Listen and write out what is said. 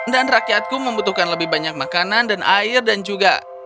dan rakyatku membutuhkan lebih banyak makanan dan air dan juga